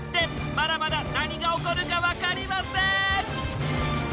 まだまだ何が起こるか分かりません！